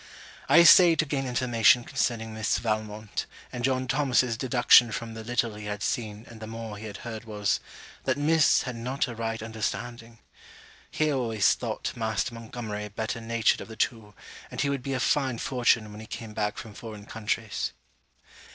I essayed to gain information concerning Miss Valmont; and John Thomas's deduction from the little he had seen and the more he had heard was, that Miss had not a right understanding. He always thought Master Montgomery better natured of the two, and he would be a fine fortune when he came back from foreign countries.